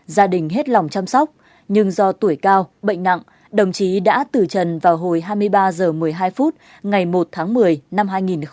gia đình hết lòng chăm sóc nhưng do tuổi cao bệnh nặng đồng chí đã tử trần vào hồi hai mươi ba h một mươi hai phút ngày một tháng một mươi năm hai nghìn một mươi tám